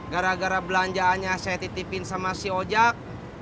gara gara belanjaannya saya titipin sama si oja